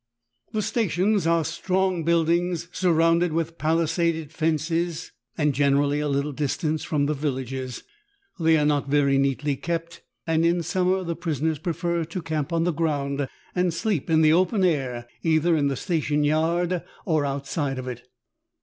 The stations are strong buildings surrounded with palisaded fences, and generally a little distance from the villages. They are not very neatly kept, and in summer the prisoners prefer to camp on the ground and sleep in the open air, either in the station yard or out side of it.